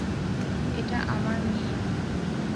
এটা আমার মেয়ে।